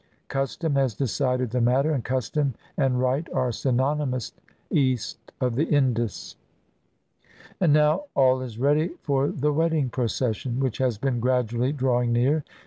Custom has decided the matter, and custom and right are synonymous east of the Indus. And now all is ready for the wedding procession, which has been gradually drawing near.